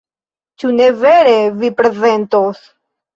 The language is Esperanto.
Ĉu ne vere, vi prezentos?